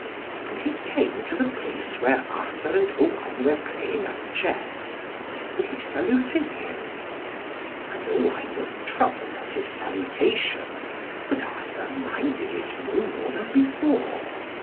And he came to the place where Arthur and Owain were playing at chess. And he saluted him. And Owain was troubled at his salutation, but Arthur minded it no more than before.